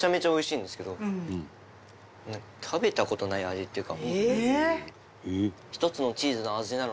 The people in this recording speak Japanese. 食べた事ない味っていうか。